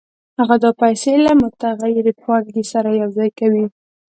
هغه دا پیسې له متغیرې پانګې سره یوځای کوي